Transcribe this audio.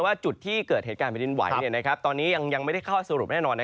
เขาคนกรุงเทพที่อยู่บนคอนโดบนศูนย์ที่สูงเนี่ย